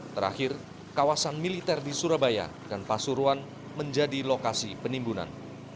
terakhir kawasan militer di surabaya dan pasuruan menjadi lokasi penimbunan